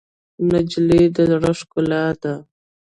نجلۍ د زړه ښکلا ده.